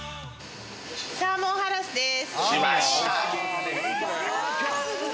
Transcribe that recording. サーモンハラスです。